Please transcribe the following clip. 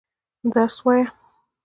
درس وايه.